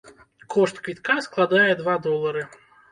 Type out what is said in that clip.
Кошт квітка складае два долары.